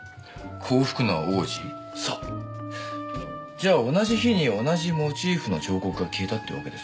じゃあ同じ日に同じモチーフの彫刻が消えたってわけですか？